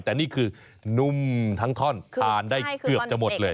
แต่นี่คือนุ่มทั้งท่อนทานได้เกือบจะหมดเลย